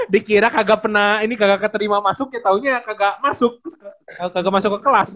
dikira ini kagak keterima masuk ya taunya kagak masuk ke kelas